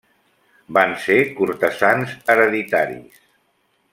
Van ser cortesans hereditaris.